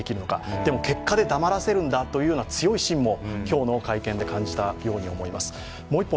でも、結果で黙らせるんだという強い芯も今日の会見で感じたように思います。